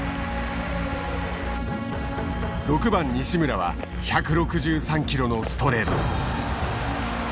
６番西村は１６３キロのストレート。